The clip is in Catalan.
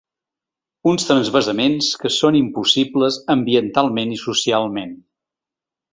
Uns transvasaments que són impossibles ambientalment i socialment.